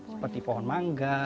seperti pohon mangga